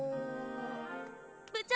部長！